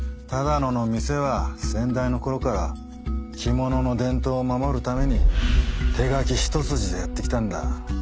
多田野の店は先代の頃から着物の伝統を守るために手描き一筋でやってきたんだ。